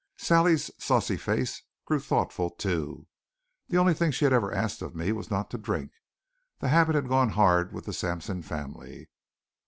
Sally's saucy face grew thoughtful, too. The only thing she had ever asked of me was not to drink. The habit had gone hard with the Sampson family.